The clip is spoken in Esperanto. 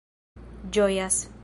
ĝojas